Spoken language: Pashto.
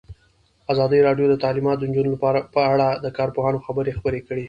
ازادي راډیو د تعلیمات د نجونو لپاره په اړه د کارپوهانو خبرې خپرې کړي.